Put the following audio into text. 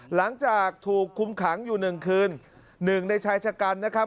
หลังจากถูกคุมขังอยู่หนึ่งคืนหนึ่งในชายชะกันนะครับ